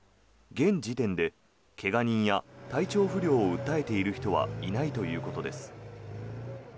現時点で怪我人や体調不良を訴えている人はいないということです。